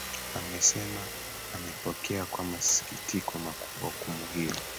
amesema amepokea kwa masikitiko makubwa hukumu hiyo